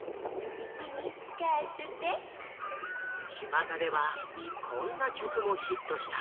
ちまたではこんな曲もヒットした。